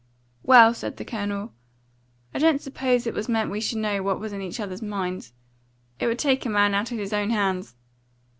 "Well," said the Colonel, "I don't suppose it was meant we should know what was in each other's minds. It would take a man out of his own hands.